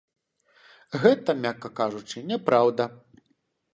Гэта, мякка кажучы, няпраўда.